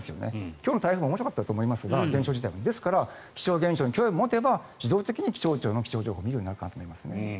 今日の台風も現象自体は面白かったと思いますがですから気象現象に興味を持てば自動的に気象庁の気象情報を見るようになるかなと思います。